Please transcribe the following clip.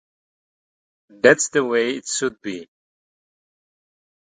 The album was Tobin's most commercially accessible release.